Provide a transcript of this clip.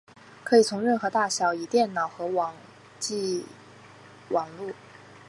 可以从任何大小以电脑和网际网路为基础的设备查看或存取网页。